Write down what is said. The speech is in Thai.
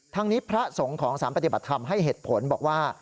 ทางนี้พระสงฆ์ของสารปฏิบัติธรรมให้เหตุผลบอกว่า